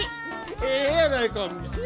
ええやないか。